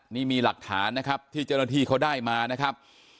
นี่มีหลักฐานนะครับที่เจ้าหน้าที่เขาได้มานะครับ